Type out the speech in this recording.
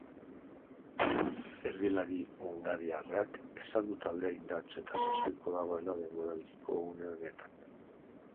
Erdilari hungariarrak esan du taldea indartsu eta sasoiko dagoela denboraldiko une honetan.